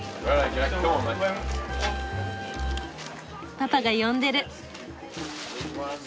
パパが呼んでる。